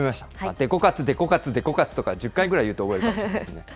デコ活、デコ活、デコ活とか１０回ぐらい言うと覚えますね。